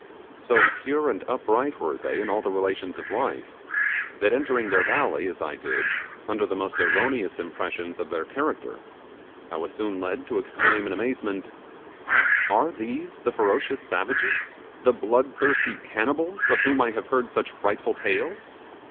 So pure and upright were they in all the relations of life, that entering their valley, as I did, under the most erroneous impressions of their character, I was soon led to exclaim in amazement: 'Are these the ferocious savages, the blood thirsty cannibals of whom I have heard such frightful tales!